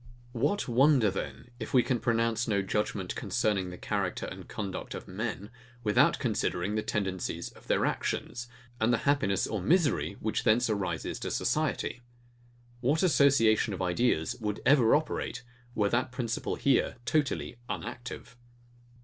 ] What wonder, then, if we can pronounce no judgement concerning the character and conduct of men, without considering the tendencies of their actions, and the happiness or misery which thence arises to society? What association of ideas would ever operate, were that principle here totally unactive.